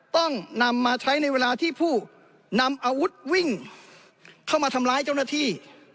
ต้องนำมาใช้ในเวลาที่ผู้นำอาวุธวิ่งเข้ามาทำร้ายเจ้าหน้าที่